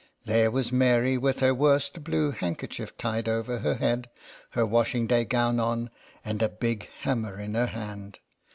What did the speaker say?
There was Mary with her worst blue handkerchief tied over her head, her washing day gown on, and a big hammer in her hand.